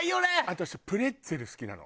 私プレッツェル好きなの。